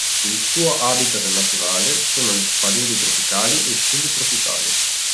Il suo habitat naturale sono le paludi tropicali e subtropicali.